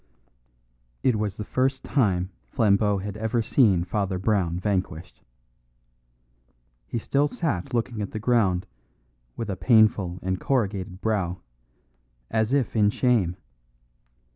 It was the first time Flambeau had ever seen Father Brown vanquished. He still sat looking at the ground, with a painful and corrugated brow, as if in shame.